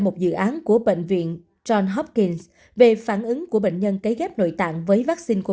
một dự án của bệnh viện john hopkins về phản ứng của bệnh nhân kế ghép nội tạng với vaccine covid một mươi chín